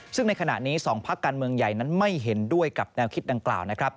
ซึ่งในขณะนี้๒พักการเมืองใหญ่นั้นไม่เห็นด้วยกับแนวคิดดังกล่าวนะครับ